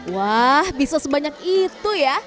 wah bisa sebanyak itu ya